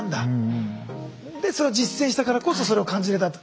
でそれを実践したからこそそれを感じれたと。